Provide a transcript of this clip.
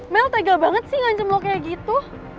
mel tegel banget sih ngancem lo kayak gitu